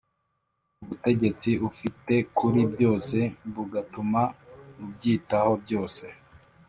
ubutegetsi ufite kuri byose bugatuma ubyitaho byose.